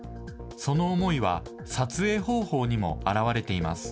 その思いは、撮影方法にも表れています。